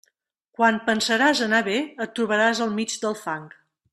Quan pensaràs anar bé, et trobaràs al mig del fang.